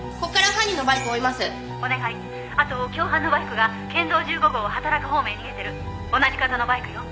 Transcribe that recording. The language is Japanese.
「あと共犯のバイクが県道１５号畑中方面へ逃げてる」「同じ型のバイクよ」